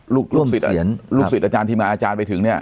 ลูกศุศีรอาจารย์ทีมงานอาจารย์ไปถึงเนี่ย